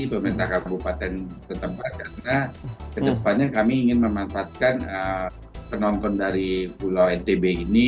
pemerintah kabupaten setempat karena kedepannya kami ingin memanfaatkan penonton dari pulau ntb ini